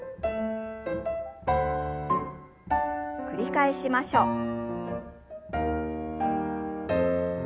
繰り返しましょう。